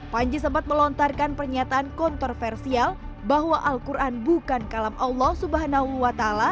panji sempat melontarkan pernyataan kontroversial bahwa al quran bukan kalam allah swt